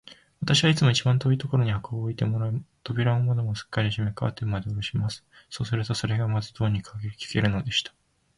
私はいつも一番遠いところに箱を置いてもらい、扉も窓もすっかり閉め、カーテンまでおろします。そうすると、それでまず、どうにか聞けるのでした。